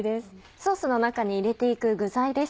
ソースの中に入れて行く具材です。